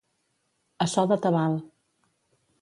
A so de tabal.